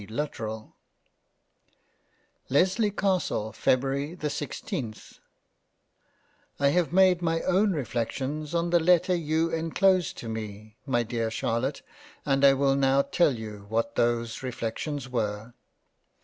LUTTERELL Lesley Castle February the 16th I HAVE made my own reflections on the letter you en closed to me, my Dear Charlotte and I will now tell you what those reflections were.